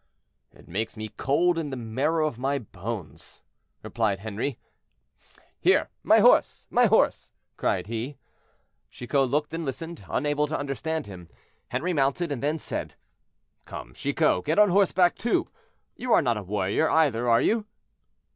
"It makes me cold in the marrow of my bones," replied Henri. "Here, my horse! my horse!" cried he. Chicot looked and listened, unable to understand him. Henry mounted, and then said— "Come, Chicot, get on horseback too; you are not a warrior, either, are you?"